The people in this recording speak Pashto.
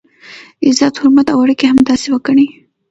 عزت، حرمت او اړیکي همداسې وګڼئ.